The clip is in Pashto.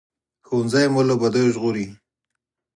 ښوونځی مو له بدیو ژغوري